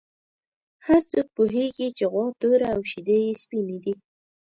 هر څوک پوهېږي چې غوا توره او شیدې یې سپینې دي.